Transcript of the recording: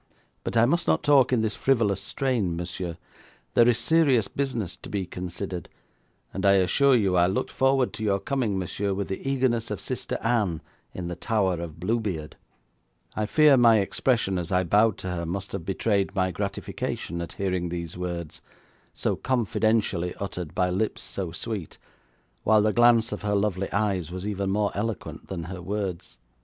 But I must not talk in this frivolous strain, monsieur. There is serious business to be considered, and I assure you I looked forward to your coming, monsieur, with the eagerness of Sister Anne in the tower of Bluebeard.' I fear my expression as I bowed to her must have betrayed my gratification at hearing these words, so confidentially uttered by lips so sweet, while the glance of her lovely eyes was even more eloquent than her words.